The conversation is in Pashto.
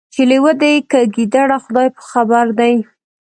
چي لېوه دی که ګیدړ خدای په خبر دی